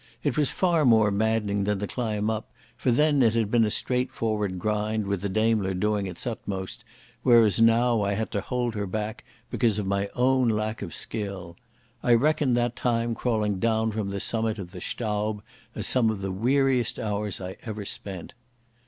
It was far more maddening than the climb up, for then it had been a straight forward grind with the Daimler doing its utmost, whereas now I had to hold her back because of my own lack of skill. I reckon that time crawling down from the summit of the Staub as some of the weariest hours I ever spent.